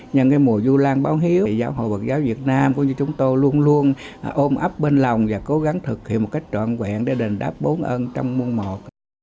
nhân cái mùa vu lan báo hiếu giáo hội bậc giáo việt nam cũng như chúng tôi luôn luôn ôm ấp bên lòng và cố gắng thực hiện một cách trọn vẹn để đền đáp bốn ân trong mùa một